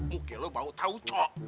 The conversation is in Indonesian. muka lu bau tahu cok